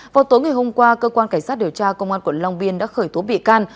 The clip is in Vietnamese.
vào tối ngày hôm qua cơ quan cảnh sát điều tra công an quận long biên đã khởi tố bị can